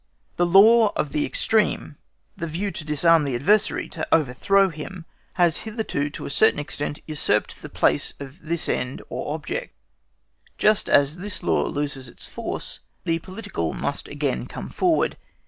The law of the extreme, the view to disarm the adversary, to overthrow him, has hitherto to a certain extent usurped the place of this end or object. Just as this law loses its force, the political must again come forward.